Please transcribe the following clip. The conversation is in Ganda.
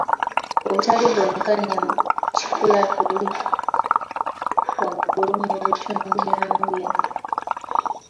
Obutali bwenkanya mu kikula kuli waggulu mu bitundu by'omu byalo.